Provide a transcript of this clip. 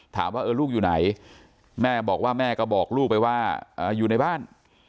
ถามว่าลูกอยู่ไหนแม่บอกว่าแม่ก็บอกลูกไปว่าอยู่ในบ้าน